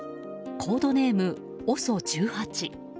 コードネーム、ＯＳＯ１８。